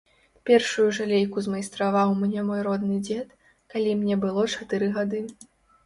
Першую жалейку змайстраваў мне мой родны дзед, калі мне было чатыры гады.